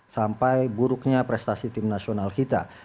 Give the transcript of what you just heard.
sampai buruknya prestasi tim nasional kita